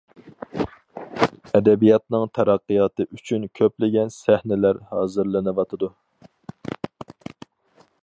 ئەدەبىياتنىڭ تەرەققىياتى ئۈچۈن كۆپلىگەن سەھنىلەر ھازىرلىنىۋاتىدۇ.